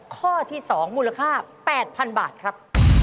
ข้อที่๒มูลค่า๘๐๐๐บาทครับ